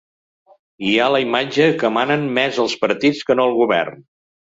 Hi ha la imatge que manen més els partits que no el govern.